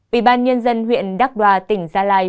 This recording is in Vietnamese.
ủy ban nhân dân huyện đắc đoa tỉnh gia lai